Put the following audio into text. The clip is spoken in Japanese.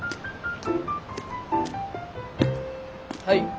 はい。